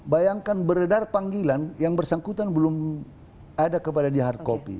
bayangkan beredar panggilan yang bersangkutan belum ada kepada di hard copy